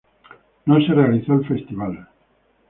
No se realizó el festival